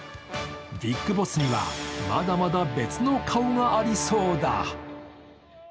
ビッグボスにはまだまだ別の顔がありそうだ。